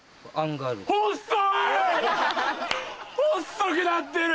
細くなってる！